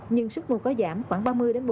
nhưng sức mua có giảm khoảng ba mươi một mươi